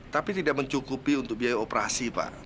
tapi tidak mencukupi untuk biaya operasi pak